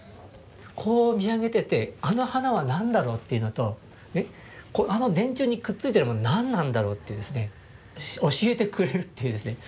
こう見上げててあの花は何だろう？というのとあの電柱にくっついてるもの何なんだろう？というですね教えてくれるというですね。